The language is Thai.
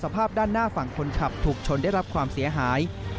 ภาพด้านหน้าฝั่งคนขับถูกชนได้รับความเสียหาย